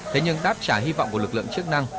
thế nhưng đáp trả hy vọng của lực lượng chức năng